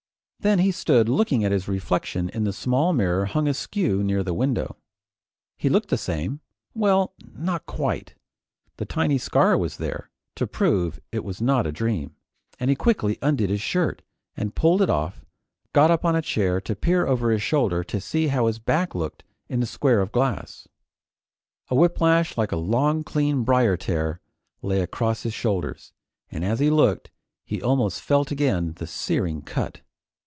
Then he stood looking at his reflection in the small mirror hung askew near the window. He looked the same well, not quite. The tiny scar was there, to prove it was not a dream, and he quickly undid his shirt, and pulling it off, got up on a chair to peer over his shoulder to see how his back looked in the square of glass. A whiplash like a long clean briar tear lay across his shoulders, and as he looked, he almost felt again the searing cut.